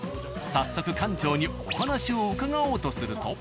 早速館長にお話を伺おうとすると。